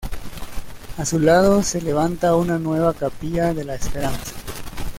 A su lado se levanta una nueva capilla de la Esperanza.